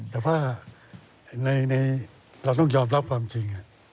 แต่ว่าเราต้องยอมรับความจริง